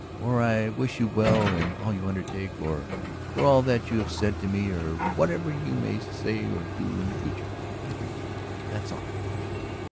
Or: 'I wish you well in all that you undertake.' Or: 'For all that you have said to me, for whatever you may say or do in the future, I forgive you!' That's all."